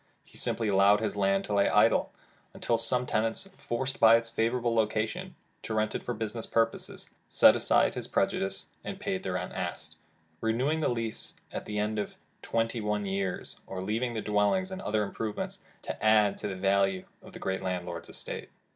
He simply allowed his land to lie idle, until some tenant, forced by its favorable location to rent it for business purposes, set aside his prejudices, and paid the rent asked, renewing the lease at the end of twenty one years, or leaving the dwellings and other improvements to add to the value of the great landlord's estate.